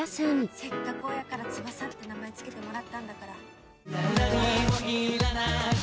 せっかく親からつばさって名前付けてもらったんだから。